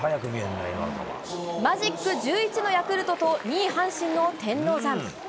マジック１１のヤクルトと２位、阪神の天王山。